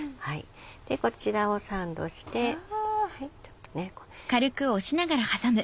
こちらをサンドしてちょっとね。